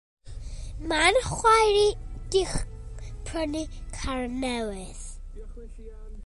Mae'n chwaer i 'di prynu car newydd.